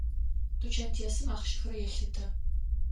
Тучантесым ахъщэхэр елъытэ.